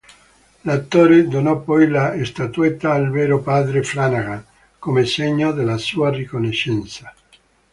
L'attore donò poi la statuetta al vero padre Flanagan come segno della sua riconoscenza.